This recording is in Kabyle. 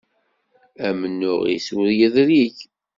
Amennuɣ-is ur yedrig.